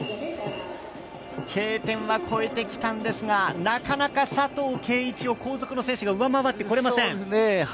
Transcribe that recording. Ｋ点は越えてきたんですが、なかなか佐藤慧一を後続の選手を上回ってこれません。